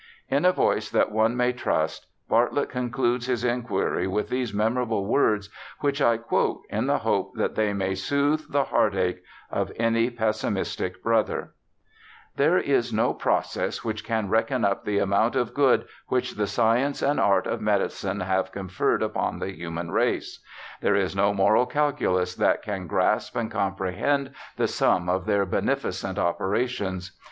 In a voice that one may trust Bartlett concludes his inquiry with these memorable words, which I quote, in the hope that they may soothe the heartache of any pessimistic brother: 'There is no process which can reckon up the amount of good which the science and art of medicine have conferred upon the human race ; there is no moral calculus that can grasp and comprehend the sum of their beneficent operations.